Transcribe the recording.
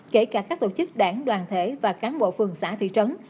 kể cả các tổ chức đảng đoàn thể và cán bộ phường xã thị trấn